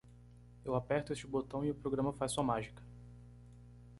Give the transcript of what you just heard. Eu aperto este botão e o programa faz sua mágica.